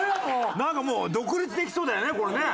なんかもう独立できそうだよねこれね。